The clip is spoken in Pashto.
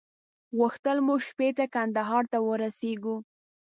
غوښتل مو شپې ته کندهار ته ورسېږو.